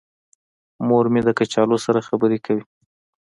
مور مې د کچالو سره خبرې کوي.